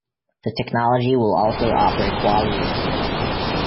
The technology will also offer Quality of Service.